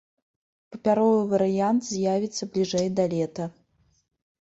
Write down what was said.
Папяровы варыянт з'явіцца бліжэй да лета.